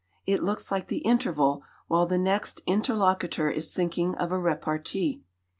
It looks like the interval while the next interlocutor is thinking of a repartee.